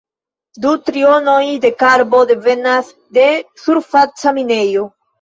Du trionoj de karbo devenas el surfaca minejo.